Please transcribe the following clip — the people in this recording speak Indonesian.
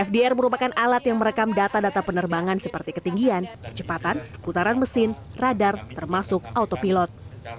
fdr merupakan alat yang merekam data data penerbangan seperti ketinggian kecepatan putaran mesin radar termasuk autopilot